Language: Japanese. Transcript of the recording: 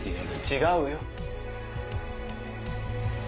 違うよ。